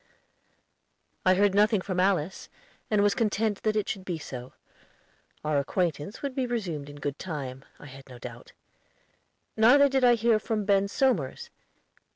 I heard nothing from Alice, and was content that it should be so. Our acquaintance would be resumed in good time, I had no doubt. Neither did I hear from Ben Somers.